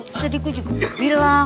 jadi gue juga bilang